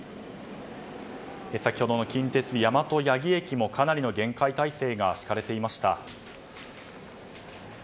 先ほどの近鉄大和八木駅もかなりの厳戒態勢が敷かれていました。